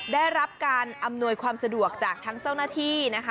ได้รับการอำนวยความสะดวกจากทั้งเจ้าหน้าที่นะคะ